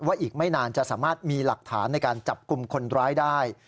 อีกไม่นานจะสามารถมีหลักฐานในการจับกลุ่มคนร้ายได้